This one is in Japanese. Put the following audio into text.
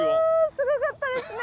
すごかったですね。